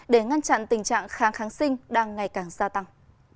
để ngăn chặn tình trạng kháng kháng sinh đang ngày càng gia tăng